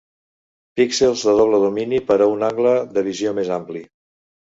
Píxels de doble domini per a un angle de visió més ampli.